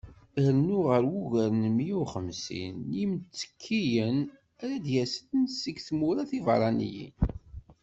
Rnu ɣer wugar n miyya u xemsin n yimttekkiyen ara d-yasen seg tmura tiberraniyin.